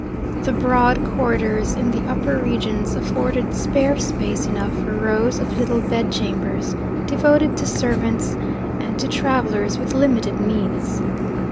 The broad corridors in the upper regions afforded spare space enough for rows of little bedchambers, devoted to servants and to travellers with limited means.